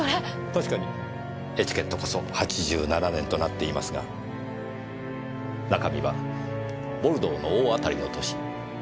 確かにエチケットこそ８７年となっていますが中身はボルドーの大当たりの年８６年の「パルトネール」。